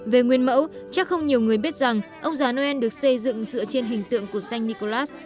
về nguyên mẫu chắc không nhiều người biết rằng ông già noel được xây dựng dựa trên hình tượng của xanh nicolas